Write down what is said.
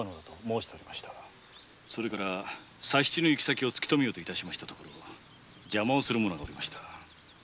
佐七の行き先を突きとめようと致しましたところ邪魔する者がおりました。